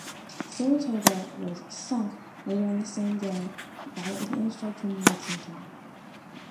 "Saratoga" was "sunk" later the same day by an airstrike from "Lexington".